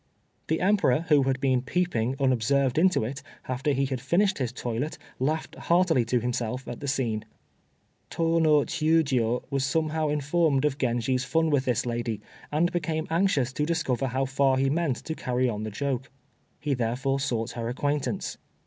The Emperor, who had been peeping unobserved into it, after he had finished his toilet, laughed heartily to himself at the scene. Tô no Chiûjiô was somehow informed of Genji's fun with this lady, and became anxious to discover how far he meant to carry on the joke. He therefore sought her acquaintance.